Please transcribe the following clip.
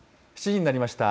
７時になりました。